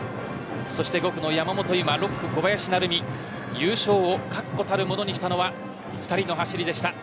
そして５区の山本有真６区小林成美優勝を確固たるものにしたのは２人の走りでした。